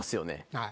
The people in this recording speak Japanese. はい。